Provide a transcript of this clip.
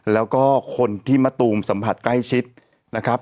แล้วก็คนที่มะตูมสัมผัสใกล้ชิดนะครับ